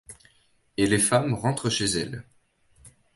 Et les femmes rentrent chez elles.